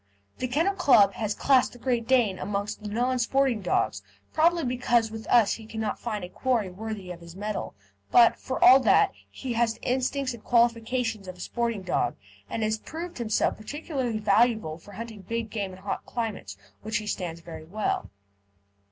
The Kennel Club has classed the Great Dane amongst the Non Sporting dogs, probably because with us he cannot find a quarry worthy of his mettle; but, for all that, he has the instincts and qualifications of a sporting dog, and he has proved himself particularly valuable for hunting big game in hot climates, which he stands very well.